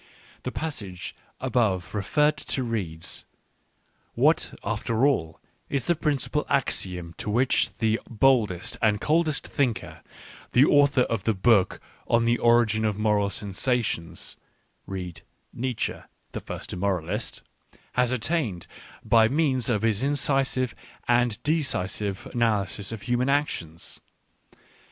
— The passage above referred to reads :" What, after all, is the principal axiom to which the boldest and coldest thinker, the author of the book On the Origin of Moral Sensations " (read Nietzsche, the first Immoralist), " has attained by means of his incisive and decisive analysis of human actions